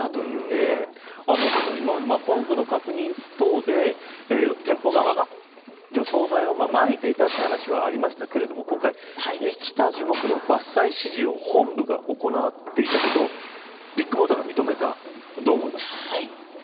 加藤さん、今まで本部の確認等で店舗側が除草剤をまいていたという話はありましたが今回、生きた樹木の伐採指示を本部が行っていたことビッグモーターが認めたどう思われますか。